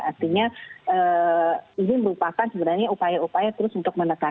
artinya ini merupakan sebenarnya upaya upaya terus untuk menekan